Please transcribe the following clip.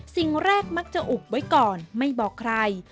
สิ่งแรกมักจะอุบไว้ก่อนไม่บอกใคร